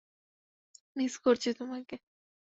Miss করছি তোমাকে!